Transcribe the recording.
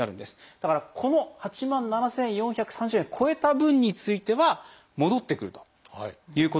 だからこの８万７，４３０円を超えた分については戻ってくるということなんですよね。